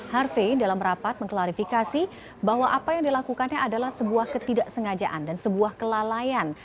harvey dalam rapat mengklarifikasi bahwa apa yang dilakukannya adalah sebuah ketidaksengajaan dan sebuah kelalaian